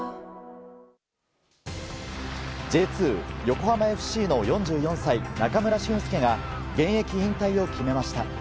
Ｊ２横浜ＦＣの４４歳中村俊輔が現役引退を決めました。